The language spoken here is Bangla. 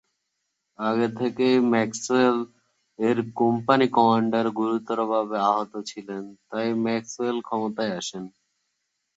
আগে থেকেই, ম্যাক্সওয়েল এর কোম্পানি কমান্ডার গুরুতরভাবে আহত ছিলেন তাই ম্যাক্সওয়েল ক্ষমতায় আসেন।